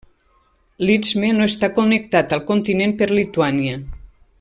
L'Istme no està connectat al continent per Lituània.